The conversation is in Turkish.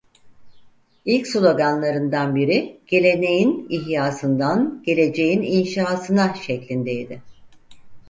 İlk sloganlarından biri "Geleneğin İhyasından Geleceğin İnşasına" şeklindeydi.